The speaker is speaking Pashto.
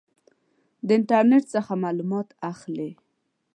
د انټرنټ څخه معلومات اخلئ؟